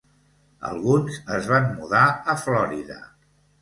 Alguns es van mudar a Florida.